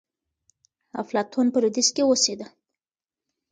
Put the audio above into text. افلاطون په لوېدیځ کي اوسېده.